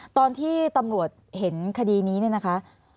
ตอนที่ตำรวจเห็นคดีนี้เนี่ยนะคะ